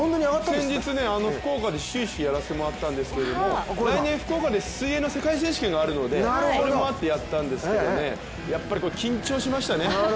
先日、福岡で始球式やらせてもらったんですけど福岡で世界選手権があるのでそれもあったやったんですけどやっぱり緊張しましたね。